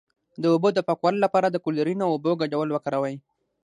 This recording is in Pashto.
د اوبو د پاکوالي لپاره د کلورین او اوبو ګډول وکاروئ